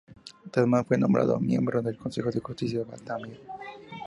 Tasman fue nombrado miembro del Consejo de Justicia de Batavia.